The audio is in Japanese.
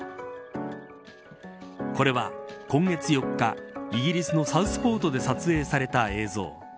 これは、今月４日イギリスのサウスポートで撮影された映像。